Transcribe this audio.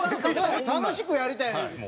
楽しくやりたいのに。